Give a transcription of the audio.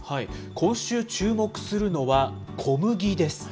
今週、注目するのは小麦です。